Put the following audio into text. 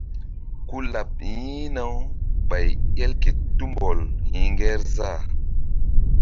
Ku laɓ yi̧hna-u ɓay el ke tumbɔl hi̧ŋgerzah.